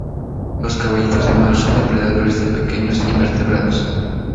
Los caballitos de mar son depredadores de pequeños invertebrados.